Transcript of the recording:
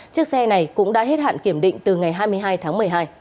chiếc xe này cũng đã hết hạn kiểm định từ ngày hai mươi hai tháng một mươi hai